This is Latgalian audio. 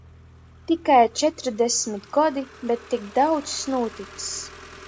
Tikai četrdesmit godi, bet tik daudz nūtics.